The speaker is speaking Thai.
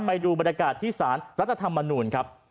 ไปดูบรรยากาศที่สารรัฐธรรมนูลครับ